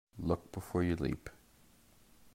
Look before you leap.